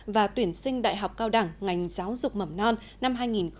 và tuyển sinh đại học cao đẳng ngành giáo dục mầm non năm hai nghìn hai mươi